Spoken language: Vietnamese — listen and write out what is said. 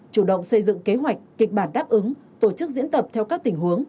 chủ động xây dựng kế hoạch kịch bản đáp ứng tổ chức diễn tập theo các tình huống